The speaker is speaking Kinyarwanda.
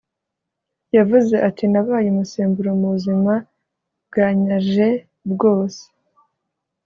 yavuze ati: 'nabaye umusemburo mu buzima bwanyje bwose.